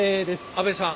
阿部さん。